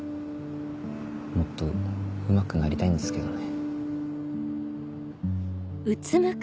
もっとうまくなりたいんですけどね。